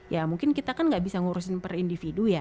ya mungkin kita kan gak bisa ngurusin per individu ya